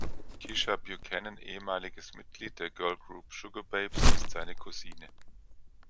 Keisha Buchanan, ehemaliges Mitglied der Girlgroup Sugababes, ist seine Cousine.